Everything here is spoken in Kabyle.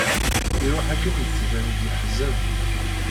Iruḥ akken yettban-d yeḥzen.